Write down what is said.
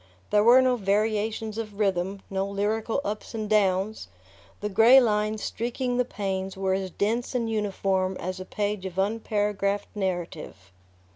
There were no variations of rhythm, no lyrical ups and downs: the grey lines streaking the panes were as dense and uniform as a page of unparagraphed narrative.